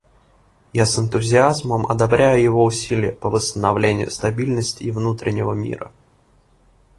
Я с энтузиазмом одобряю его усилия по восстановлению стабильности и внутреннего мира.